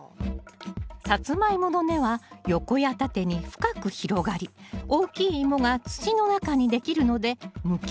サツマイモの根は横や縦に深く広がり大きいイモが土の中に出来るので向きません